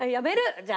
じゃあ。